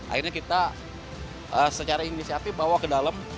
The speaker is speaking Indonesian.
akhirnya kita secara inisiatif bawa ke dalam